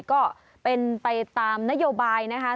ก็เป็นไปตามนโยบายนะคะ